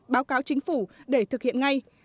báo cáo chính phủ để thực hiện ngay